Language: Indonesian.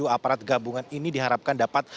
aparat gabungan ini diharapkan dapat